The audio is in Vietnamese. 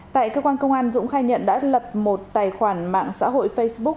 tại cơ quan công an dũng khai nhận đã lập một tài khoản mạng xã hội facebook